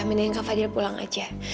amin kak fadil pulang aja